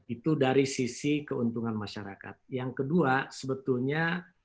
itu dari sisi keuntungan masyarakat yang kedua sebetulnya